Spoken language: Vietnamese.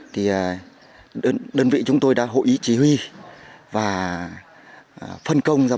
thì đơn vị chúng tôi đã hội ý chỉ huy và phân công ra ba tổ